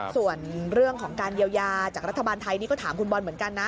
ส่วนเรื่องของการเยียวยาจากรัฐบาลไทยนี่ก็ถามคุณบอลเหมือนกันนะ